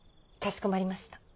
かしこまりました。